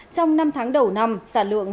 trong năm tháng đầu năm sản lượng